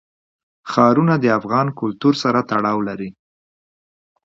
ښارونه د افغان کلتور سره تړاو لري.